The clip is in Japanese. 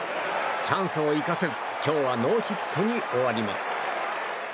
チャンスを生かせず今日はノーヒットに終わります。